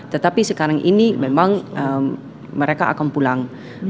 tetapi sekarang ini memang mereka akan pulang